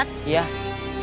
sama kang agus juga